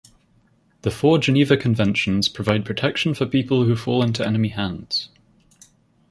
The four Geneva Conventions provide protection for people who fall into enemy hands.